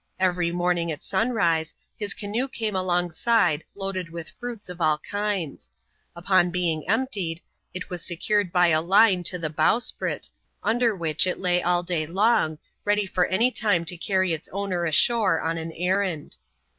Every morning at sunrise, his canoe came alongside loaded with fruits of all kinds ; upon being emptied, it was secured by a line to the bowsprit, under which it lay all day long, ready at any time to carry its owner ashore on an errand.